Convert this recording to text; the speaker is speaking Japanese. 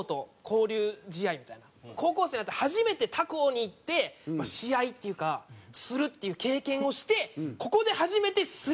高校生になって初めて他校に行って試合っていうかするっていう経験をしてここで初めて『ＳＬＡＭＤＵＮＫ』の面白さがわかるんです。